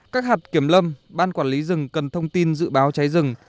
các hạt kiểm lâm ban quản lý rừng cần thông tin dự báo cháy rừng